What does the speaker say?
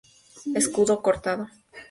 Escudo cortado.